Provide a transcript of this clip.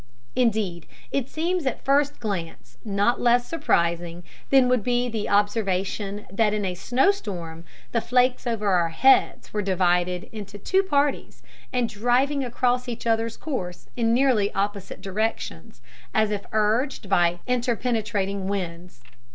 Indeed, it seems at first glance not less surprising than would be the observation that in a snow storm the flakes over our heads were divided into two parties and driving across each other's course in nearly opposite directions, as if urged by interpenetrating winds.